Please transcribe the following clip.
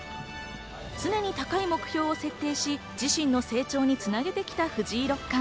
常に高い目標を設定し、自身の成長につなげてきた藤井六冠。